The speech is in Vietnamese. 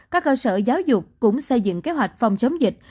các cơ sở giáo dục cũng xây dựng kế hoạch phòng chống dịch